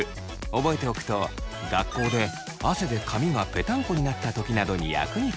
覚えておくと学校で汗で髪がぺたんこになった時などに役に立つそう。